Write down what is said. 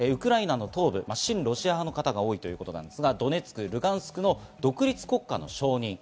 そしてウクライナの東部、親ロシア派の方が多いということですが、ドネツク、ルガンスクの独立国家の承認。